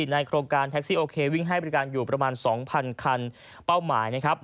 ในโครงการแท็กซี่โอเควิ่งให้บริการอยู่ประมาณ๒๐๐คันเป้าหมายนะครับ